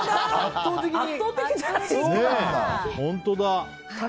圧倒的じゃないですか。